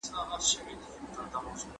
ناروغان د سرطان په اړه قطعي ځواب ترلاسه کوي.